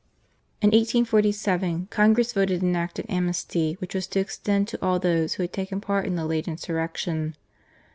In 1847 Congress voted an act of amnesty which was to extend to all those who had taken part in the late insurrection.